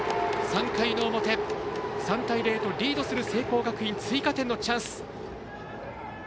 ３回の表３対０とリードする聖光学院追加点のチャンス。